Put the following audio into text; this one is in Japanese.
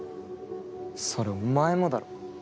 それお前もだろ。